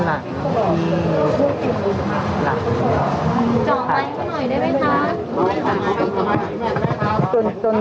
ขอบคุณครับ